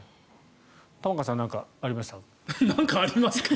玉川さん何かありますか？